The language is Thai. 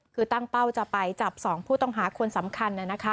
คือตั้งเป้าจะไปจับ๒ผู้ต้องหาคนสำคัญ